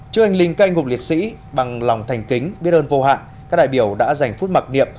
trước anh linh cây ngục liệt sĩ bằng lòng thành kính biết ơn vô hạn các đại biểu đã dành phút mặc niệm